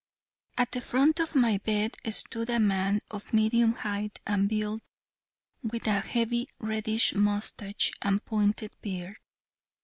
At the front of my bed stood a man of medium height and build, with a heavy reddish mustache and pointed beard.